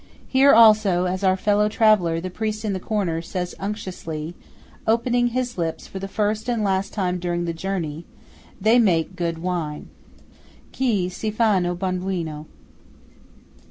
Here also, as our fellow traveller, the priest in the corner, says unctuously, opening his lips for the first and last time during the journey, "they make good wine." ("Qui si fanno buon vino.")